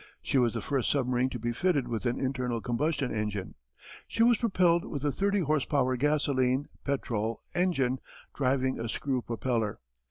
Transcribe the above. She was the first submarine to be fitted with an internal combustion engine. She was propelled with a thirty horse power gasoline (petrol) engine driving a screw propeller.